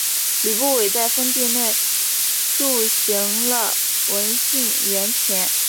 吕不韦在封地内铸行了文信圜钱。